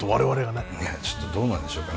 ねえちょっとどうなんでしょうかね。